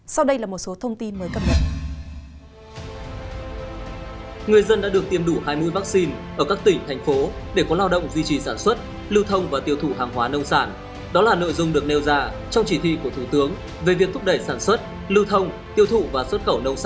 sau đây là một số thông tin mới cập nhật